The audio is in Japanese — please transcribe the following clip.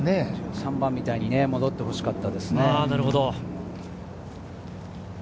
３番みたいに戻ってほしかったですね。